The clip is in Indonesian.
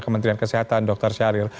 kementerian kesehatan dr syahril